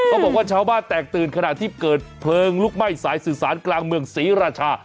บอกว่าชาวบ้านแตกตื่นขณะที่เกิดเพลิงลุกไหม้สายสื่อสารกลางเมืองศรีราชา